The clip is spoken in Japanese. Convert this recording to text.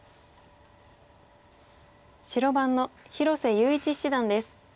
白番の広瀬優一七段です。